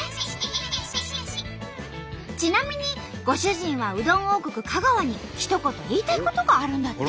ちなみにご主人はうどん王国香川にひと言言いたいことがあるんだって。